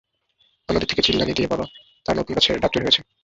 অন্য দিক থেকে চিল্লানি দিয়ে বলে, তার নতুন গাছের ডাব চুরি হয়েছে।